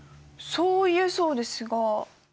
そう言えそうですが。